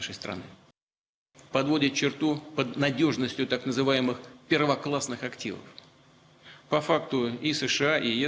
faktanya amerika serikat dan as menyatakan kehadiran tersebut sebagai default terhadap rusia